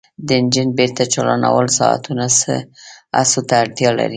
د انجن بیرته چالانول ساعتونو هڅو ته اړتیا لري